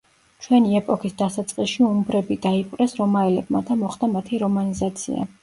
ჩვენი ეპოქის დასაწყისში უმბრები დაიპყრეს რომაელებმა და მოხდა მათი რომანიზაცია.